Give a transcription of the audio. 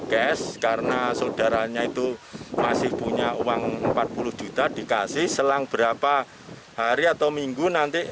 cash karena saudaranya itu masih punya uang empat puluh juta dikasih selang berapa hari atau minggu nanti